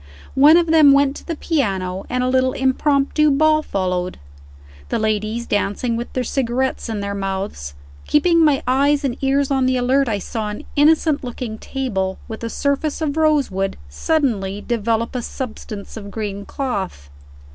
One of them went to the piano, and a little impromptu ball followed, the ladies dancing with their cigarettes in their mouths. Keeping my eyes and ears on the alert, I saw an innocent looking table, with a surface of rosewood, suddenly develop a substance of green cloth.